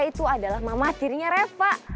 itu adalah mama tirinya reva